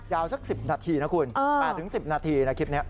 ยาวถึง๑๐นาทีนะคุณประมาณถึง๑๐นาทีคลิปนี้